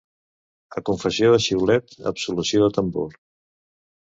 A confessió de xiulet, absolució de tambor.